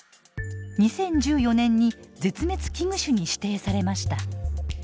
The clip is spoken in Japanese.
２０１４年に絶滅危惧種に指定されました。